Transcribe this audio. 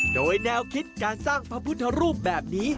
โดยแนวคิดการสร้างพระพุทธรูปแบบนี้